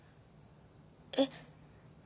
えっ？